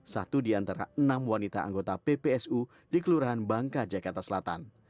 satu di antara enam wanita anggota ppsu di kelurahan bangka jakarta selatan